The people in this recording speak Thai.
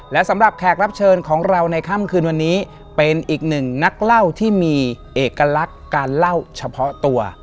และสำหรับแขกรับเชิญของเราในค่ำคืนวันนี้เป็นอีกหนึ่งนักเล่าที่มีเอกลักษณ์การเล่าเฉพาะตัว